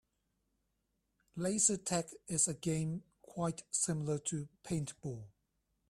Laser tag is a game quite similar to paintball.